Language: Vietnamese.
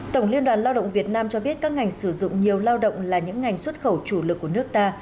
tổng liên đoàn lao động việt nam cho biết các ngành sử dụng nhiều lao động là những ngành xuất khẩu chủ lực của nước ta